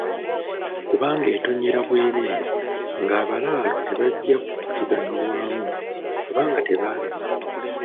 Kubanga etonnyera bwereere nga abalaalo tebajja kugiganyulwamu kubanga tebalima.